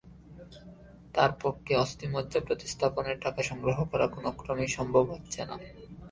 তাঁর পক্ষে অস্থিমজ্জা প্রতিস্থাপনের টাকা সংগ্রহ করা কোনোক্রমেই সম্ভব হচ্ছে না।